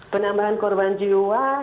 penambahan korban jiwa